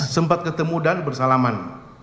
sempat ketemu dan bersalaman